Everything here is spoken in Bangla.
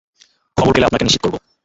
খবর পেলে আপনাকে নিশ্চিত করব।